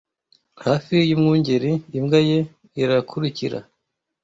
hafi yumwungeri imbwa ye irakurikira